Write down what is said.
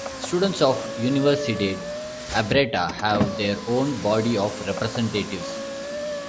Students of Universidade Aberta have their own body of representatives.